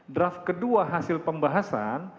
draft kedua hasil pembahasan